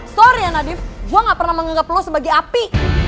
sorry ya nadif gue gak pernah menganggap lu sebagai api